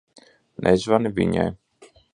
Nezvani viņai.